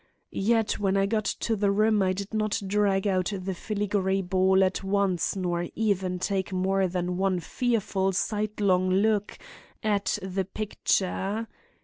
"Yet when I got to the room I did not drag out the filigree ball at once nor even take more than one fearful side long look at the picture.